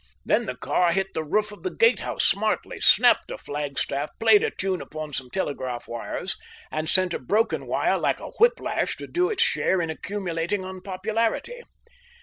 Then the car hit the roof of the gatehouse smartly, snapped a flag staff, played a tune upon some telegraph wires, and sent a broken wire like a whip lash to do its share in accumulating unpopularity.